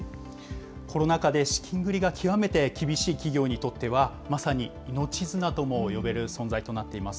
コロナ禍で資金繰りが極めて厳しい企業にとっては、まさに命綱とも呼べる存在となっています。